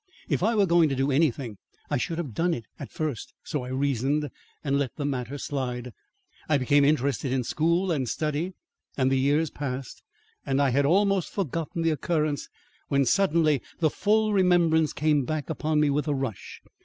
If I were going to do anything, I should have done it at first so I reasoned, and let the matter slide. I became interested in school and study, and the years passed and I had almost forgotten the occurrence, when suddenly the full remembrance came back upon me with a rush.